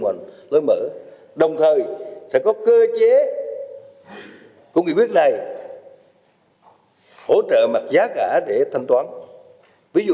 mạnh lối mở đồng thời sẽ có cơ chế của nghị quyết này hỗ trợ mặt giá cả để thanh toán ví dụ